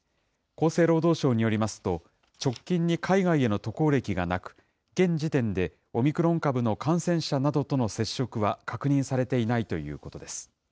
厚生労働省によりますと、直近に海外への渡航歴がなく、現時点でオミクロン株の感染者などとの接触は確認されていないということです。